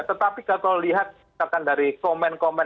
tetapi kalau lihat misalkan dari komen komen